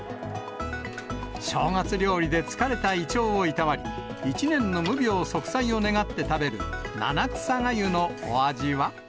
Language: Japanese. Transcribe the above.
正月料理で疲れた胃腸をいたわり、一年の無病息災を願って食べる七草がゆのお味は？